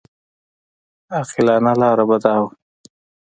عاقلانه لاره به دا وه.